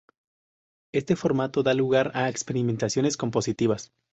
Este formato da lugar a experimentaciones compositivas.